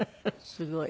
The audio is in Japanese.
すごい。